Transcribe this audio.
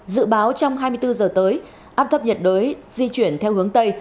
dự báo trong hai mươi bốn giờ tới áp thấp nhiệt đới di chuyển theo hướng tây